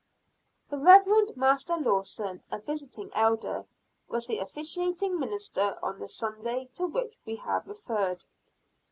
The Reverend Master Lawson, a visiting elder, was the officiating minister on the Sunday to which we have referred.